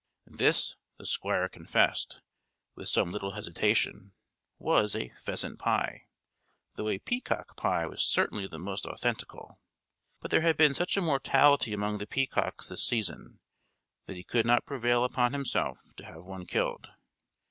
This the Squire confessed, with some little hesitation, was a pheasant pie, though a peacock pie was certainly the most authentical; but there had been such a mortality among the peacocks this season, that he could not prevail upon himself to have one killed.